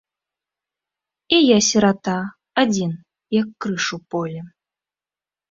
І я сірата, адзін, як крыж у полі.